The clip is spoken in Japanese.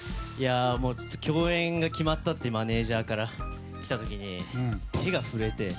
共演が決まったってマネジャーから来た時に手が震えて。